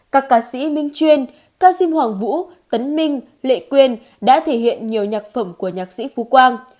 các ca sĩ minh chuyên cao xim hoàng vũ tấn minh lệ quyên đã thể hiện nhiều nhạc phẩm của nhạc sĩ phú quang